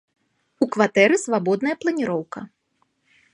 У кватэры свабодная планіроўка.